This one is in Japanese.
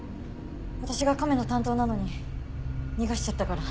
私が亀の担当なのに逃がしちゃったから。